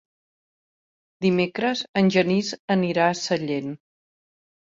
Dimecres en Genís anirà a Sellent.